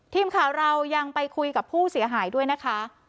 ทีมข่าวเรายังไปคุยกับผู้เสียหายด้วยนะคะ